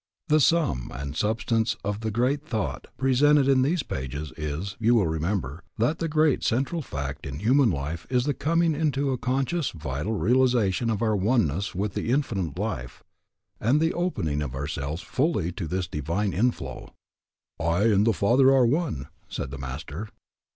The sum and substance of the thought presented in these pages is, you will remember, that the great central fact in human life is the coming into a conscious, vital realization of our oneness with the Infinite Life, and the opening of ourselves fully to this divine inflow. I and the Father are one, said the Master.